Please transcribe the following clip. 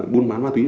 buôn bán ma túy